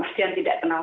maksudnya tidak tenang